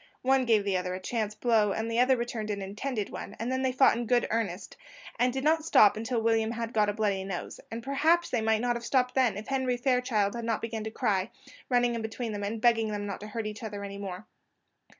One gave the other a chance blow, and the other returned an intended one, and then they fought in good earnest, and did not stop till William had got a bloody nose; and perhaps they might not have stopped then, if Henry Fairchild had not begun to cry, running in between them, and begging them not to hurt each other any more.